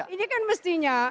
ini kan mestinya